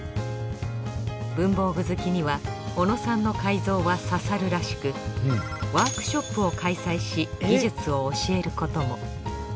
文房具好きには小野さんの改造は刺さるらしくワークショップを開催し技術を教えることも。